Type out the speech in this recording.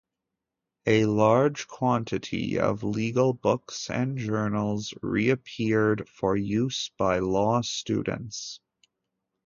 A large quantity of legal books and journals reappeared for use by law students.